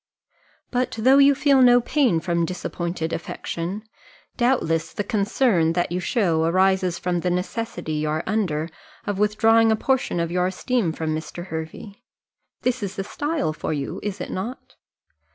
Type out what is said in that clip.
But though you feel no pain from disappointed affection, doubtless the concern that you show arises from the necessity you are under of withdrawing a portion of your esteem from Mr. Hervey this is the style for you, is it not?